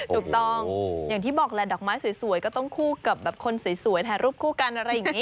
ถูกต้องอย่างที่บอกแหละดอกไม้สวยก็ต้องคู่กับคนสวยถ่ายรูปคู่กันอะไรอย่างนี้